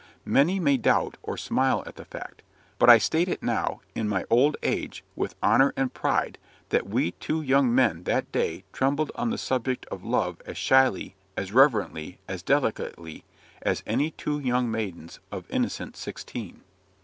Many may doubt, or smile at the fact; but I state it now, in my old age, with honour and pride, that we two young men that day trembled on the subject of love as shyly, as reverently, as delicately, as any two young maidens of innocent sixteen.